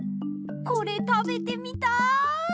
これたべてみたい！